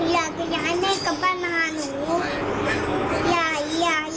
อยากให้แม่มิตรกอยากให้แม่ก็วาดมาหาหนู